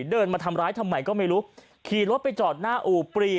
เดินมาทำร้ายทำไมก็ไม่รู้ขี่รถไปจอดหน้าอู่ปรี